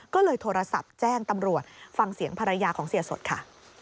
ก็เลยโทรศัพท์แจ้งตำรวจฟังเสียงภรรยาของเสียสดค่ะ